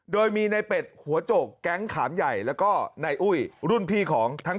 โดยมีในเป็ดหัวโจกแก๊งขามใหญ่แล้วก็ในอุ้ยรุ่นพี่ของทั้ง